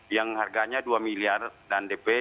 yang harganya dua miliar dan dp